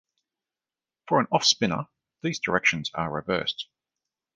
For an offspiner, these directions are reversed.